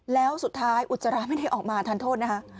แล้วสุดท้ายอุจจาระไม่ได้ออกมาทันโทษนะคะ